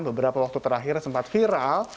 beberapa waktu terakhir sempat viral